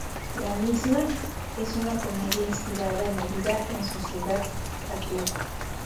La misma es una comedia inspirada en la vida en su ciudad, La Plata.